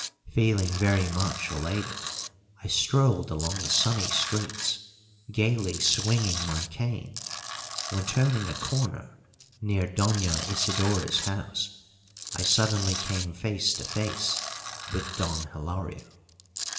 Feeling very much elated, I strolled along the sunny streets, gaily swinging my cane, when, turning a corner near Doña Isidora's house, I suddenly came face to face with Don Hilario.